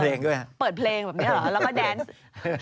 เปิดเพลงแบบนี้หรอแล้วก็แดนซ์